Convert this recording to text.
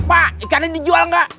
pak ikannya dijual nggak